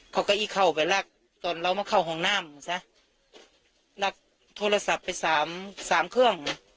เก้าอี้เข้าไปรักตอนเรามาเข้าห้องน้ำซะลากโทรศัพท์ไปสามสามเครื่อง